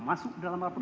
masuk dalam raporan